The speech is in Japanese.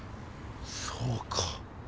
そうか。